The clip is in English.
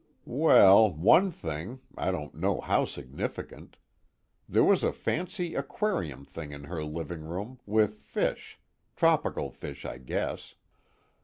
"Well one thing I don't know how significant. There was a fancy aquarium thing in her living room, with fish, tropical fish I guess.